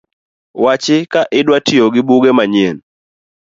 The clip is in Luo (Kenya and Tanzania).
Wachi ka idwa tiyo gi buge manyien